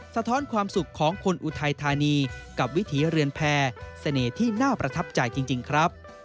สะท้อนความสุขของคนอุทัยธานีกับวิถีเรือนแพร่เสน่ห์ที่น่าประทับใจจริงครับ